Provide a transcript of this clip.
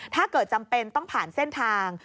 ถ้าเกิดจำเป็นต้องผ่านเส้นทาง